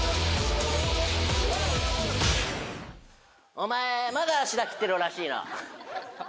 お前まだしら切ってるらしいな。